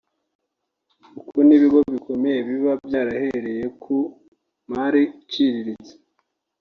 kuko n’ibigo bikomeye biba byarahereye ku mari iciriritse